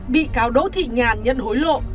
bị cáo đỗ thị ngàn nhận hối lộ